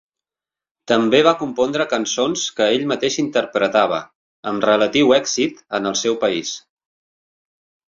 També va compondre cançons que ell mateix interpretava, amb relatiu èxit, en el seu país.